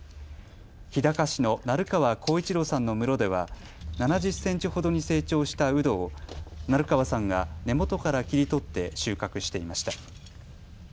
日高市の鳴河高一郎さんの室では７０センチほどに成長したうどを鳴河さんが根元から切り取って収穫していました。